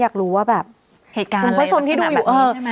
อยากรู้ว่าแบบเหตุการณ์คุณผู้ชมที่ดูอยู่เออ